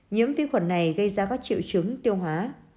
nhiễm vi khuẩn này gây ra các triệu chứng tiêu hóa